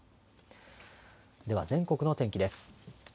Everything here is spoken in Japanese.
では全国の天気です。